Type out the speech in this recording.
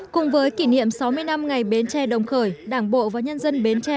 cùng với kỷ niệm sáu mươi năm ngày bến tre đồng khởi đảng bộ và nhân dân bến tre